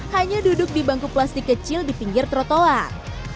hanya duduk di bangku plastik kecil di pinggir trotoar